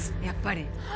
やっぱり！